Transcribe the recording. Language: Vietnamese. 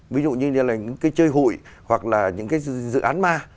ví dụ như là những cái chơi hụi hoặc là những cái dự án ma